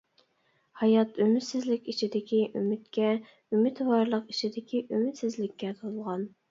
ھايات ئۈمىدسىزلىك ئىچىدىكى ئۈمىدكە، ئۈمىدۋارلىق ئىچىدىكى ئۈمىدسىزلىككە تولغان!